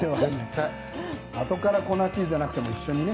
あとから粉チーズじゃなくて一緒にね。